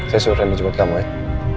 saya suruh renu jemput kamu ya